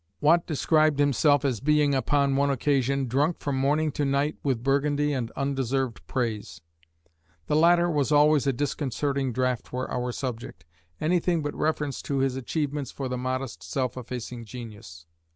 Watt described himself as being, upon one occasion, "drunk from morning to night with Burgundy and undeserved praise." The latter was always a disconcerting draught for our subject; anything but reference to his achievements for the modest self effacing genius.